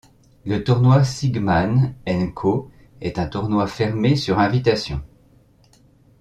Le tournoi Sigeman & Co est un tournoi fermé sur invitation.